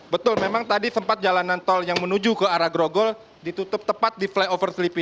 betul memang tadi sempat jalanan tol yang menuju ke arah grogol ditutup tepat di flyover sleepy